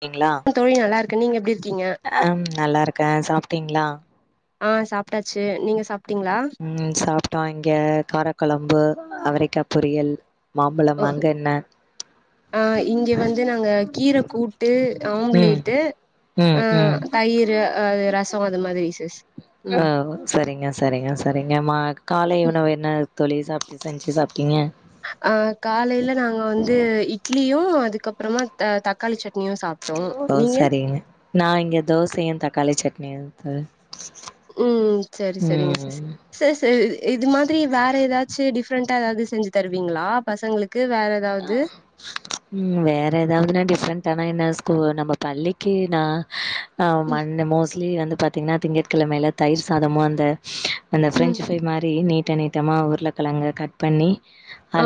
கீங்களா க்க தோழி நல்லாருக்கே நீங்க எப்டி இருக்கீங்க அம் நல்லாருக்கே சாப்ட்டீங்களா ஆ சாப்ட்டாச்சு நீங்க சாப்ட்டீங்ளா ம் சாப்ட்டோ இங்க காரக்கொழம்பு அவரைக்காய் பொரியல் மாம்பழம் ஓ அங்க என்ன ஆ இங்க வந்து நாங்க கீர கூட் ட்டு ம் ஆம்லேட்டு ஆ ம் ம் தயிர் அ ரசோ அது மாரி சிஸ் ம் ஹவு சரிங்க சரிங்க சரிங்க மா காலை உணவு என்ன தோழி சாப்டு செஞ்சு சாப்டீங்க அஹ் காலேல நாங்க வந்து இட்லியு அதுக்கப்பறமா தக்காளி சட்னியு சாப் ஓ சரினு நா இங்க தோசயு தக்காளி சட்னியு தோ உம் செரி சரிங்க சிஸ் ச ச இது மாதிரி வேற ஏதாச்சு டிஃப்ரெண்ட்டா ஏதாவது செஞ்சு தருவீங்களா பசங்களுக்கு வேற ஏதாவது ஆஹ் ம் வேற ஏதாவதுனா டிஃப்ரெண்ட்டா ஆனா என்ன ஸ்கூ நம்ம பள்ளிக்கு நா ஆ ம் மண் மோஸ்ட்லி வந்து பாத்தீங்கனா திங்கட்கெழமைல தயிர் சாதமு அந்த அந்த ம் ஃப்ரெஞ்சு ஃப்ரை மாரி நீட்ட நீட்டமாக உருளக்கெழங்க கட் பண்ணி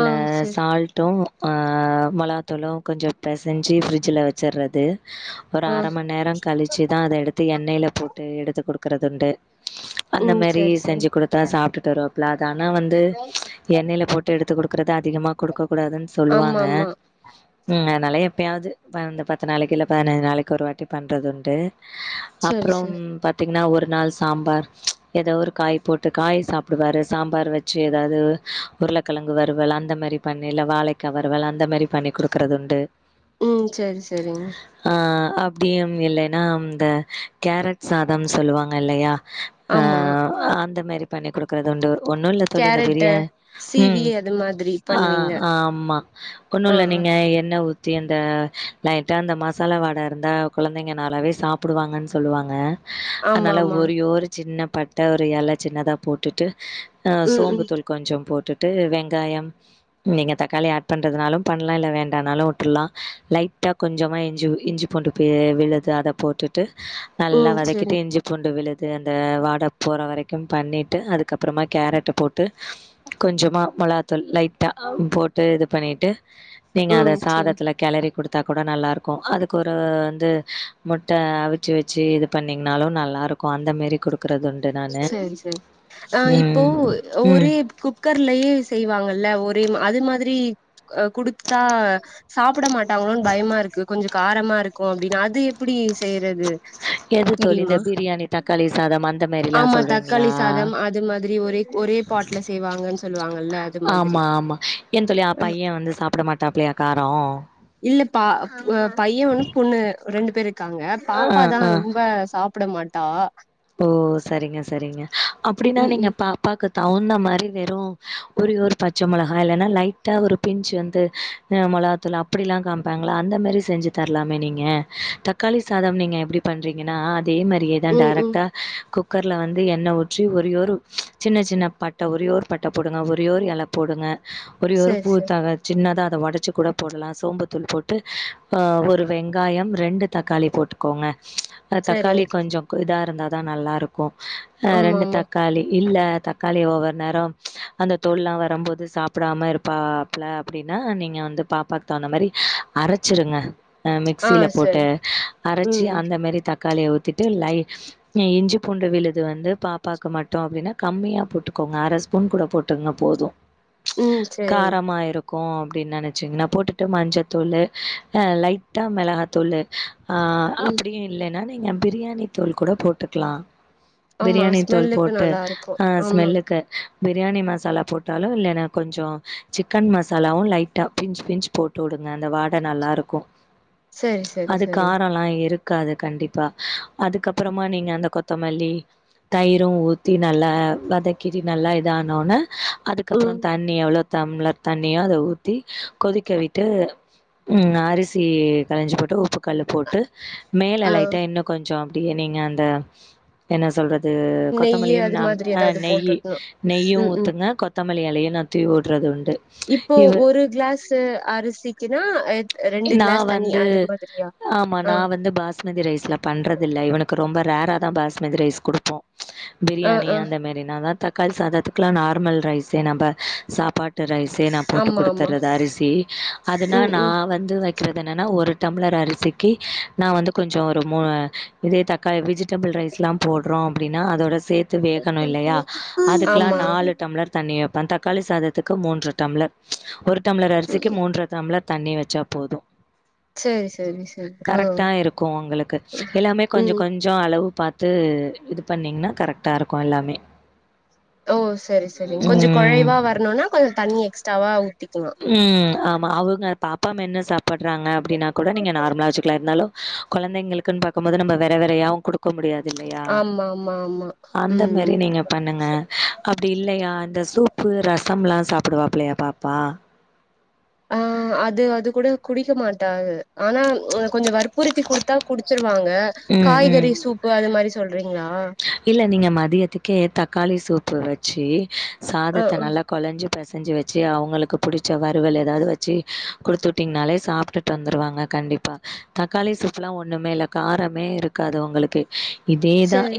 ஆ சரி சால்ட் டு அஹ் மொளகா தூளு கொஞ்சோ பெசஞ்சு ஃப்ரிஜ்ல வச்சுடுறது ஒரு ஆ அர மண் நேரோ கழிச்சுதா அத எடுத்து எண்ணெல போட்டு எடுத்து குடுக்கறதுண்டு அந்த ம் மாரி சரி சரி செஞ்சு குடுத்தா சாப்டுட்டு வருவாபுல அதானா வந்து எண்ணெல போட்டு எடுத்து குடுக்குறது அதிகமா குடுக்க கூடாதுனு ஆமா சொல்லுவாங்க ஆமா ம் அதனால எப்பயாவது வ இந்த பத்து நாளைக்கி இல்ல பதினஞ்சு நாளைக்கு ஒரு வாட்டி பண்றது உண்டு [inaudible] அப்பறம் சரி பாத் தீங்கனா ஒரு நாள் சாம்பார் ஏதோ ஒரு காய் போட்டு காய் சாப்டுவாரு சாம்பார் வச்சு ஏதாவது உருளக்கெழங்கு வறுவல் அந்த மாரி பண்ணி இல வாழைக்கா வறுவல் அந்த மாரி பண்ணி குடுக்கறது உண்டு ம் சேரி சேரிங்க ஆஹ் அப்டியும் இல்லேனா அம் த கேரட் சாதம்னு சொல்லுவாங்க இல்லையா ஆமா ஆஹ் அந்த மாரி பண்ணி குடுக்குறது உண்டு ஒன்னு இல்ல தோழி இந்த பிரிய உம் அந்த மாதிரி பண்ணுவீங்க ஆஹ் ஆமா ஒண்ணு ஆ இல்ல ஆ நீங்க அ எண்ண ஊத்தி அந்த லைட்டா அந்த மசாலா வாட இருந்தா கொழந்தைங்க நாலாவே சாப் பிடுவாங்கனு சொல்லுவாங்க ஆமா அதனால ஆமா ஒரி ஓரு சின்ன பட்ட ஒரு எல சின்னதா போட்டுட்டு அ ம் ம் சோம்புத்தூள் கொஞ்சோ போட்டுட்டு வெங்காயம் நீங்க தக்காளி ஆட் பண்றதுனாலு பண்ணலா இல்ல வேண்டனாலு வுட்டுலா லைட்டா கொஞ்சமாக இஞ்சி ஊ இஞ்சி பூண்டு பே விழுது அத போட்டுட்டு நல்லா ம் சரி வதக்கிட்டு இஞ்சி பூண்டு விழுது அந்த வாட போற வரைக்கு பண்ணிட்டு அதுக்கப்பறமா கேரட்ட போட்டு கொஞ்சோமா மொளாத்தூள் லைட்டா போட்டு இது பண்ணிட்டு நீங்க அத ம் சரி சாதத்துல கெளறி குடுத்தா கூட நல்லாருக்கு அதுக்கு ஒரு வந்து முட்ட அவிச்சு வ ச்சி இது பண்ணீங்கனாலு நல்லா இருக்கு அந்த மேரி குடுக்கறதுண் செரி செரி ஆஹ் இப்போ ம். ஒரே குப் குக்கர்லயே செய்வாங்கல்ல ஒரே மா அது மாதிரி அ குடுத்தா சாப்ட மாட் டாங்களோனு பயமா இருக்கு கொஞ்சோ காரமா இருக்கு அப்டினு அது எப்டி செய்றது எது தோழி தெரியுமா இந்த பிரியாணி தக்காளி சாதம் அந் ஆமா தக்காளி சாதம் அது மாதிரி ஒரே ஒரே பாட்ல செய்வாங்கனு சொல்லுவாங்களே அது மாதிரி என் தோழி அ ஆ பையே வந்து சாப்ட மாட்டாப்பிள்ளயா காரோ இல்ல பா அ பையே ஒன்னு பொண்ணு ரெண்டு பேர் இருக்காங்க ஆ பாப்பா தா ஆ ரொம்ப சாப் டமாட்டா ஓ செரிங்க செரிங்க அப்டினா ம் நீங்க ம் பா ப்பாக்கு தகுந்த மாரி வெறு ஒரே ஒரு பச்ச மொளகா இல்லனா லைட்டா ஒரு பிஞ்ச் வந்து அ மொளகாத்தூள் அப்டிலா காமிப்பாங்களா அந்தமாரி செஞ்சு தரலாமே நீங்க தக்காளி சாதம் நீங்க எப்டி பண்றீங்கனா அதே மாரியே தா ம் டேரேக்ட் ம் ட குக்கர்ல வந்து எண்ண ஊற்றி ஒரே ஒரு சின்ன சின்ன பட்ட ஒரே ஒர் பட்ட போடுங்க ஒரே ஒர் எலப் போடுங்க ஒரே ஒரு ஒரு சேரி சேரி பூத்தகட் சின்னதா அத ஒடச்சு கூட போடலா சோம்பு தூள் போட்டு அ ஒரு வெங்காயம் ரெண்டு தக்காளி போட்டு கோங்க அ சேரிங்க தக்காளி சிஸ் கொஞ்சோ கு இதா இருந்தாதா நல்லாருக்கு அ ஆமா ரெண்டு ஆமா தக்கா காளி இல்ல தக்காளி ஒவ்வொரு நேரம் அந்த தோள்லா வரம்போது சாப்டாம இருப்பா ல அப்டின்னா நீங்க வந்து பாப்பாக்கு தகுந்த மாரி அரச்சிருங்க ஆ மிக்சில போட்டு ம் அரச்சி ம் அந்த மேரி தக்காளிய ஊத்திட்டு லை இ இஞ்சி பூண்டு விழுது வந்து பாப்பாக்கு மட்டு அப்டினா கம்மியா போட்டுகோங்க அர ஸ்பூன் கூட போட் டுங்க போது ம் சேரிங்க காரமாய்ரு கு அப்டின் நனச்சிங்னா போட்டுட்டு மஞ்சள்த்தூளு அ லைட்டாக மிளகாத்தூளு [inaudible] ஆ ம் அப்டியு இல்லன்னா நீங்க பிரியாணி தூள் கூட போட்டுக்லா ஆமா பிரியாணி தூள் ஸ்மெல்லுக்கு போட்டு நல்லா இருக்கு ஆ ஆமா ஸ்மெல்லுக்கு பிரியாணி மசாலா போட்டாலு இல்லனா கொஞ்சோ சிக்கன் மசாலாவு லைட்டா பின்ச் பின்ச் போட் டுடுங்க அந்த வாட நல்லாருக்கு [inaudible] சேரி அது சேரி காரோலா இருக்காது கண்டிப்பா அதுக்கப்றமா நீங்க அந்த கொத்தமல்லி தயிரு ஊத்தி நல்ல வதக்கறி நல்லா இதானோன அதுக்கப்றோ ம் தண்ணி எவ்ளோ தம்ளர் தண்ணியோ அத ஊத்தி கொதிக்க விட்டு ம் அரிசி கலஞ்சி போட்டு உப்பு கல்லு போட்டு மேல ஆ லைட்டா இன்னு கொஞ்சோ அப்டியே நீங்க அந்த என்ன சொல்ற து நெய்யி கொத்தமல்லியும் அது நாம் மாதிரி ஏதாவது நெய்யி போட்டுட்ணு நெய்யு ம் ம் ஊத்துங்க கொத்தமல்லி இலயு நா தூவி விட்றது உண்டு இப்போ இ ஒரு க்ளஸ் து அரிசிக்குனா எத் நா வந்து ஆமா ஆ நா வந்து பாஸ் மதி ரைஸ்ல பண்றது இல்ல இவனுக்கு ரொம்ப ரேரா தா பாஸ்மதி ரைஸ் குடுப்போ ஆ பிரியாணி ஆ அந்தமாரினா தா தக்காளி சாதத்துக்குலா நார்மல் ரைஸே நம்ப சாப்பாட் டு ரைஸே நா போட்டு ஆமா ஆமா குடுத்துறது அரிசி அதனா ம் நா ம் வந் து வைக்கிறது என்னன்னா ஒரு டம்ளர் அரிசிக்கு நா வந்து கொஞ்சோ ஒரு மூ இதே தக்காளி வெஜிடபிள் ரைஸ் லா போட்றோ அப்டின்னா அதோட சேத் து வேகணு இல்லையா அதுக்குலா ஆமா நாலு டம்ளர் தண்ணி வைப்ப தக்காளி சாதத்துக்கு மூன்று டம்ளர் ஒரு டம்ளர் அரிசிக்கு மூன்று டம்ளர் தண்ணி வச்சாப் [inaudible] போது சேரி சேரி சேரி ஆ கரெக்டா இருக்கு உங்களுக்கு எல்லாமே கொஞ்சோ ம் கொஞ் சோ அளவு பாத்து இது பண்ணீங்னா கரெக்டா இருக்கு எல்லாமே ஓ சரி சரிங் கொஞ்சோ ம். கொலைவா வரனுனா கொஞ்சோ தண்ணி எக்ஸ்ட்ராவா ஊத்திக்கனு ம் ஆமா அவங்க பாப்பா மென்னு சாப்பிட்றாங்க அப்டின்னா கூட நீங்க நார்மலா வச்சுக்கலா இருந்தாலு கொழந்தைங்களுக்குன் பாக்கம்போது நம்ம வெற வெறயாவு குடு க்க முடியாது இல்லையா ஆமா ஆமா ஆமா அந்த ம் மாி நீங்க பண்ணுங்க அப்டி இல்லையா இந்த சூப்பு ரசம்லா சாப்டுவாப்லையா பாப்பா ஆ அது அது கூட குடிக்க மாட்டாக ஆனா கொஞ்சோ வற்புறுத்தி குடுத்தா குடுச்சிருவாங்க ம், காய்கறி ம். சூப் பு அது மாரி சொல்றீங்ளா இல்ல நீங்க மதியத்துக்கே தக்காளி சூப்பு வச்சு ஆ சாதத்த ஆ நல்லா கொலஞ்சி பெசஞ்சி வச்சி அவங்களுக்கு பிடிச்ச வறுவல் ஏதாவது வச்சி குடுத்துட்டீங்னாலே சாப்ட்டு வந்துருவாங்க கண்டிப்பா தக்காளி சூப்லா ஒண்ணுமே இல்ல காரமே இருக்காது அவங்களுக்கு இதே தா சேரி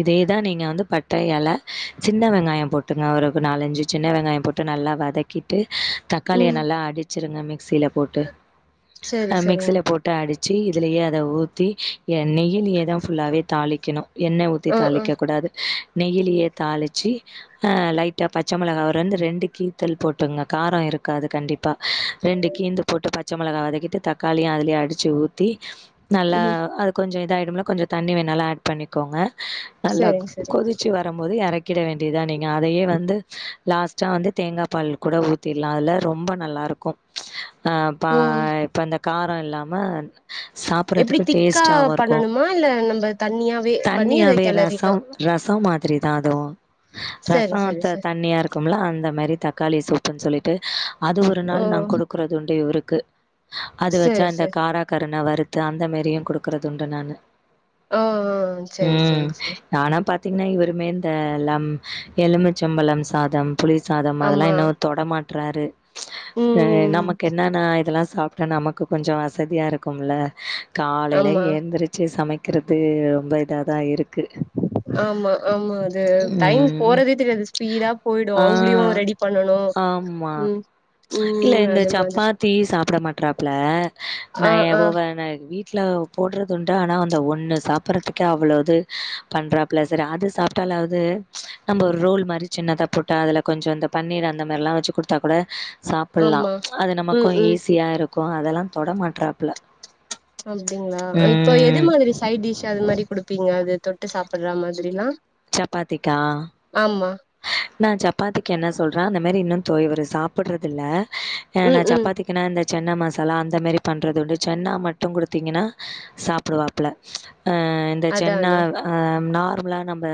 இதேதா நீங்க வந்து பட்ட எல சின்ன வெங்காயோ போட்டுங்க ஒரு நாலஞ்சு சின்ன வெங்காயோ போட் டு நல்லா வதக்கிட்டு தக்காளிய ம் நல்லா அடிச்சிருங்க மிக்சில போட்டு ஆ சேரி சரிங்க மிக்சில போட் டு அடிச்சி இதுலயே அத ஊத்தி நெய்யிலியே தா ஃபுல்லாவே தாளிக்கணு எண்ணெ ஊத்தி ஆ ஆ தாளிக்க கூடாது நெய்யிலயே தாளிச்சி அ லைட்டா பச்ச மிளகா வந்து ரெண்டு கீ்த்தல் போட்டுங்க காரோ இருக்காது கண்டிப்பா ரெண்டு கீந்து போட்டு பச்ச மிளகா வதக்கிட்டு தக்காளியு அதுலயே அடிச்சு ஊத்தி நல்லா ம் அது கொஞ்சோ இதாய்டும்ல கொஞ்சோ தண்ணி வேணாலு அட் பண்ணிக்கோங்க நல்லா சேரிங் சேரி கொதிச்சி வ றம்போது எறக்கிட வேண்டியதுதா நீங்க அதயே வந்து லாஸ்டா வந்து தேங்கா பால் கூட ஊ த்திருல்லா அதுல ரொம்ப நல்லா இருக்கு அ பா ம் இப்ப இந்த கார இல்லாம சாப்புறதுக்கு டேஸ்டாவு இருக்கு மா இல்ல நம்ப தணியா தண்ணியாவே ரசம் ரசம் மாதிரி தா அதுவு ரச சரி சரி த சரி தண்ணியா இருக் கும்ல அந்த மாரி தக்காளி சூப்புன் சொல்லிட்டு அது ஒரு நாள் நா ஓ கொடுக்குறது உண்டு இவருக்கு அது வச்சா சேரி இந்த சேரி காரா கருண வறுத்து அந்த மரியு குடுக்குறது உண்டு நானு ஓ ஓ ம் நானா பாத்தீங்கன்னா இவருமே இந்த ழம் எலுமிச்சம் பழம் சாதம் புளி சாதம் அதெல்லா ஆமா இன்னுமக்ஷ தொடமாற்றாரு அ ம் நமக்கு என்னன்னா இதெல்லா சாப் டா நமக்கு கொஞ்ச வசதியாக இருக்கும்ல காலையிலே ஆமா எந்திரிச்சு சமைக்கிறது ரொம்ப இதாதா இருக்கு ஆமா ஆமா அது டைம் ம் போறதே தெரியாது ஸ்பீடா போயிடு ஆ அவங்களையு ரெடிப் பண்ணணு ஆமா ம் இல்ல ம் இந்த அது மாதிரி சப்பாத்தி சாப்ட மாட்றாப்புல ஆ நா ஆ ஒவவ ந வீ ட்ல போடுறதுண்டு ஆனா அந்த ஒண்ணு சாப் புறத்துக்கே அவ்ளோ இது பண்றாப்புல சரி அது சாப்ட்டாலாவது நம்ம ஒரு ரோல் மாறி சின்னதா போட்டு அதுல கொஞ்சோ இந்த பன்னீர் அந்த மாறில்லா வச்சு குடுத்தா கூட சாப் புல்லா ஆமா அது ம் நமக்கு ம் ஈஸியா இருக்கு அதெல்லா தொட மாட்றாபுல அப்டிங்களா இப்போ எது மாதிரி சைட் டிஷ் எது மாரி குடுப்பீங்க அது தொட்டு சாப்புற மாதிரினா சப்பாத்திகா ஆமா நா சப்பாத்திக்கு என்ன சொல்றே அந்த மாரி இன்னு தோ இவரு சாப்புட்றதுல்ல ஆ நா ம் ம் சப்பாத்தி குனா இந்த சன்னா மசாலா அந்த மாரி பண்ணுறது உண்டு சென்னா மட்டு குடுத்தீங்கன்னா சாப்புடுவாப்புல அ இந்த அதா சன்னா அதா ஆ நார்மலா நம்ப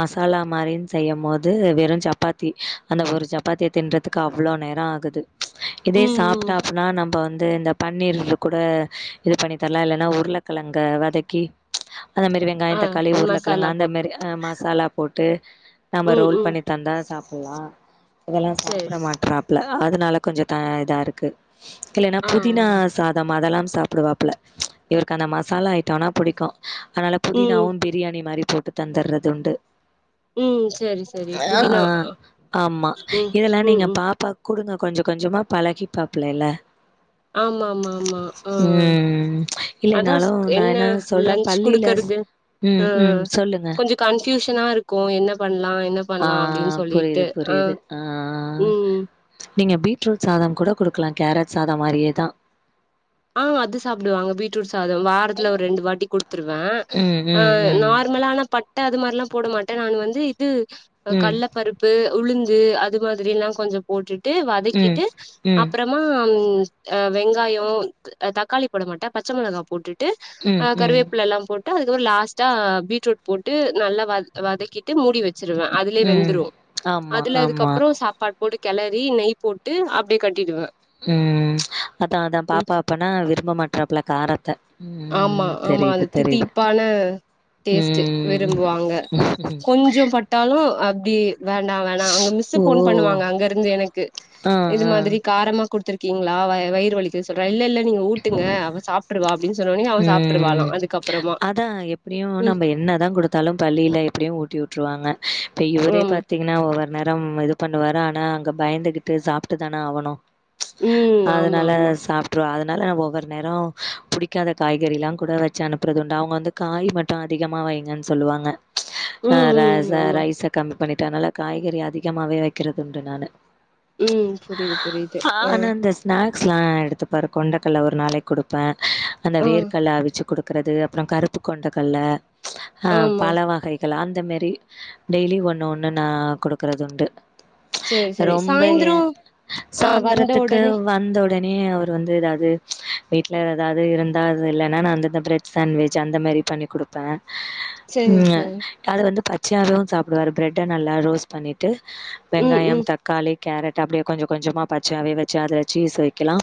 மசாலா மாரின் செய்யம் போ து வெறு சப்பாத்தி அந்த ஒரு சப்பாத்திய தின்றதுக்கு அவ்ளோ நேரோ ஆகுது இதே ம் ம் சாப்ட்டாப்புனா நம் இப்ப வந்து இந்த பன்னீர் கூட இது பண்ணி தர்லா இல்லன்னா உருளக்கெழங்க வதக்கி அந்த மாரி வெங்காய ஆ தக்காளி உருளக்கெழங்க மசாலா அந்த போட்டு மாரி அ மசாலா போட்டு நம்ம ம் ரோல் ம் பண்ணி தந்தா சாப்புட்லா இதெல்லா சேரி சாப்ட மாட்றாப்புல அதனால கொஞ்ச தா இதா இருக்கு இல்லன்னா ஆ புதினா ஆ சாத அதெல்லாம் சாப்புடுவாப்ல இவருக்கு அந்த மசாலா ஐட்டோனா பிடிக்கு அனால ம் புதினாவு பி பிரியாணி மாரி போட்டு தந்தற்ரது துண்டு ம் சரிச் ஆ ஆமா ம் இதெல்லா ம் நீங்க ம் பாப்பாக் குடுங்க கொஞ்ச கொஞ்சமா பழகிபாப்புல இல்ல ஆமா ஆமா ஆமா ஆ ம் இல்ல அதா நாலு நா என்ன என்னா சொல்ற லன்ச் பள்ளிலச் ம் ம் சொல்லுங்க கொஞ்ச கன்ஃப்யூஷனா இருக்கு என்ன பண்லா என்ன ஆ பண்லா அப்டின்னு புரியுது சொல்லிட்டு புரியுது ஆ ம் நீங்க பீட்ரூட் சாதம் கூட குடுக்கலா கேரட் சாதா மாரியேதா ஆ அது சாப்டுவாங்க பீட்ரூட் சாதம் வாரத்துல ஒரு ரெண்டு வாட்டி குடுத்துருவே ம் ஆ ம் ம் நார்மலான பட்ட அது மாறிலா போட மாட்ட நான் வந்து இது ம் கள்ள பருப் பு உளுந்து அது மாதிரில்லா கொஞ்சொ போட்டுட்டு ம் வதக்கிட்டு ம் அப்புறோ மா அ வெங்காயோ தக்காளி போட மாட்டே பச்ச மெளகா போட்டு டு ஆ ம் ம் கருவேப்பிள எல்லா போட் டு அதுக்கப்றோ லாஸ்ட்டா பீட்ரூட் போட்டு நல்லா வா வதக்கிட்டு மூடி வெ ச்சிருவோ அதுலயே ம் வெந்துறே ஆமா அதுல ஆமா. அதுக்கப்றோ சாப்பாட் போட்டு கெலரி நெய் போட்டு அப்டி கட்டிடுவ ம் அதா அதா பாப்பா அப்பனா விரும்ப மாட்றாப்புல்ல காரத்த ஆமா ம் ஆமா அது தெரியுது தெரியுது. தித்திப்பான டேஸ்ட்டு ம் விரும்புவாங்க கொஞ்சோ பட்டாலு அப்டி வேண்டா வேண்டா அங்க மிஸ்ஷு ஓ! ஃபோன் பண்ணுவாங்க அங்கருந்து எனக்கு ஆ இது ஆ மாதிரி காரமா குடுத்துற் ங்ளா வய வயிறு வலிக்கு சொல்றா இல்லெல்ல நீங்க ஊட்டுங்க அவ சாப்ட்ருவா அப்டின்னு சொன்னோனே அவ சாப்ட்ருவாளா ம் அதுக்கப்புறமா அதா எப்டியு ம் நம்ம என்னதா குடுத் தாலு பள்ளியில எப்டியு ஊட்டி உட்ருவாங்க இப்ப இவரே ஆமா பாத்திங் ன்னா ஒவ்வொரு நேரம் இது பண்ணுவாரு ஆனா அங்க பயந்துகிட்டு சாப்டுதான ஆவனு ம் ஆமா அதுனால ஆமா சாப்ட்ருவா அதன் னால ஒவ்வொரு நேரோ புடிக்காத காய்கறில்லா கூட வச்சு அனுப்புறதுண்டு அவுங்க வந்து காய் மட் ட்டு அதிகமா வைங்கன் சொல்லுவாங்க அ ம் ர ம் ச ஆமா ரைச கம்மிப் பண்ணிட்டனால காய்கறி அதிகமாவே வக்கிறதுண்டு நானு ம் புரியுது புரியுது ஆ இந்த ஸ்நாக்ஸ்லா எடுத்துப்பாரு கொண்டக்கல்ல ஒரு நாளைக்கு குடுப்பே அந்த ஆ வேர்கல்ல அவிச்சு குடுப் றது அப்ரோ கருப்பு கொண்டகல்ல அ ஆமா பல வகை க்லா அந்த மாரி டெய்லி ஒண்ணு ஒண்ணு நா குடுக்குறது உண்டு சேரி சேரி ரொம்ப ஏ சாய்ந்தரோ ஆ வந்த சாந்தரத்துக்கு உடனே வந்தொடனே அவரு வந்து து எதாது வீட்ல எதாவது இருந்தா இல்லனா நா அந்த இந்த ப்ரெட் சாண்ட்விச் அந்த மாறி பண்ணி குடுப் ப சேரி ம் சேரி அது வந்து பச்சையாவு சாப்டுவாரு பிரெட் நல்லா ரோஸ்ட் பண்ணிட்டு ம் வெங்காயோ ம் தக் காளி கேரட் அப்படியே கொஞ்ச கொஞ்சமா பச்சயாவே வச்சு அதுல சீஸ் வெக்கலா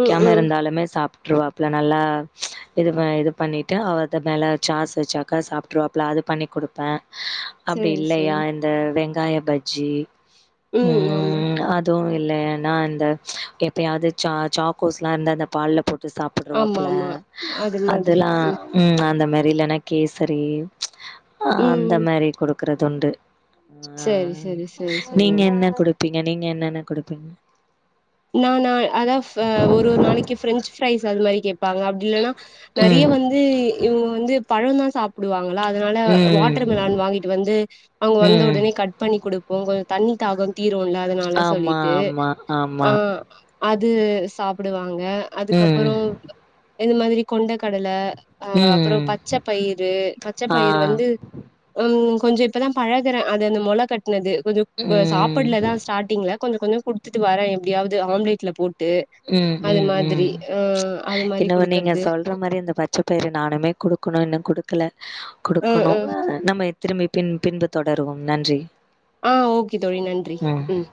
ம் ம் இருந்தாலுமே சாப்ட்ருவாப்புல நல்லா ம்ச் இது ம இது பண்ணிட்டு அவத மேல சாசு வச்சாக்கா சாப்ட்டுருவாப்புல அது பண்ணி குடுப்பே அப்டி சேரி இல்லையா சேரிங் இந்த வெங்காய பஜ்ஜி ம் ம் அத் த்து இல்லேனா அந்த எப்பையாது சா சாக்கோஸ்லா இந்த அந்த பால்ல போட் ட்டு ஆமா சாப்ட்டுருவாப்புல்ல ஆமா அது மாதிரி அதெல்லா ம் அந்த மாறி இல்லன்னா கேசரி ஆ அந்த மாறி குடுக்குறது உண்டு ஆ. செரி செரி செரி செரி ப்பீங்க நீங்க என்னன்ன குடுப்பீங்க நா நா அதா ஃப் அ ஒரு நாளைக்கு ஃப்ரஞ் ஃப்ரைஸ் அது மாறி கேப்பாங்க அப் இல்லனா நெறைய ம். வந்து இவுங்க வந்து பழந்தா சாப் ப்படுவாங்களா அதுனால ம். வாட்டர் மிலான் வாங்கிட்டு வந்து அவுங்க வந்த ம். ஒடனே கட் பண்ணி கொடுப்போங்க தண்ணி தாகோ தீருல்ல அதனால ஆமா, சொல்லிட்டு ஆமா, ஆ ஆமா. அது சாப்புடுவாங்க ம். அதுக்கப்புறோ இந்த மாதிரி கொண்ட கடலை ஆ அப்பற ம். பச்ச பயிறு பச்ச ஆ. பயிர் வந்து அம் கொஞ்ச இப்பதா பழகுறே அது அந்த மொள கட்னது கொஞ்சோ ம். சாப்படுல தா ஸ்டார்டிங்ல கொஞ்ச கொஞ்ச குடுத்துட்டு வரே எப்டியாவது ஆம்லெட்ல போட்டு ட்டு ம், அது ம், மாதிரி ம். ஆ அது மாரி குடுக்கறது மாறி இந்த பச்சப்பயிற நானுமே குடுக்கணு இன்னு குடுக்கல ம் குடுக்கணும் ம் நம்ம திரும்பி பின் பின்பு தொடருவோம் நன்றி ஆ ஓகே தோழி நன்றி ம்